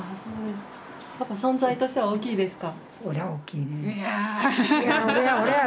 存在としては大きいですか？